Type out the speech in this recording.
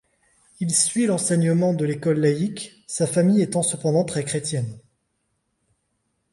Il suit l'enseignement de l'école laïque, sa famille étant cependant très chrétienne.